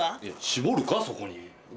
いや絞るかそこに。